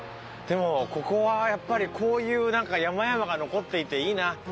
でもここはやっぱりこういうなんか山々が残っていていいな。